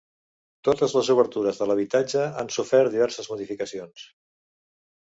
Totes les obertures de l'habitatge han sofert diverses modificacions.